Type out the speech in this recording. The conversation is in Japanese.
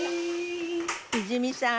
泉さん